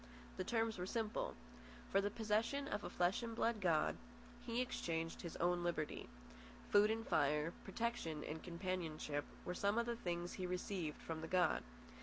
The terms were simple. For the possession of a flesh and blood god, he exchanged his own liberty. Food and fire, protection and companionship, were some of the things he received from the god.